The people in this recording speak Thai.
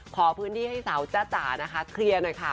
ขอพื้นที่ให้สาวจ้าจ๋านะคะเคลียร์หน่อยค่ะ